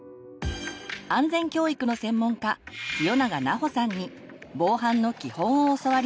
安全教育の専門家清永奈穂さんに防犯の基本を教わります。